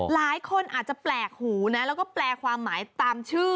หลายคนอาจจะแปลกหูนะแล้วก็แปลความหมายตามชื่อ